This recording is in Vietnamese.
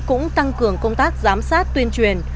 cũng tăng cường công tác giám sát tuyên truyền